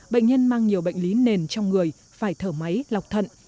bệnh nhân mang nhiều bệnh lý nền trong người phải thở máy lọc thận